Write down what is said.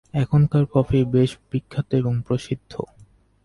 এখানকার কফি বেশ বিখ্যাত এবং প্রসিদ্ধ।